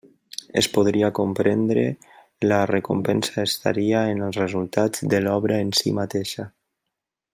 Es podria comprendre, la recompensa estaria en els resultats de l'obra en si mateixa.